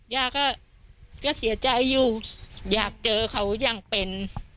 ย่าก็เสียใจอยู่อยากเจอเขาอย่างเป็น